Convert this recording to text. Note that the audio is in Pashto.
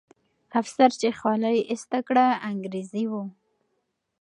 افسر چې خولۍ یې ایسته کړه، انګریزي وو.